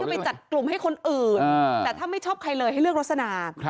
ไปจัดกลุ่มให้คนอื่นแต่ถ้าไม่ชอบใครเลยให้เลือกรสนา